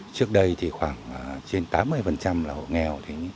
trước đây thì khoảng trên tám mươi là hộ nghèo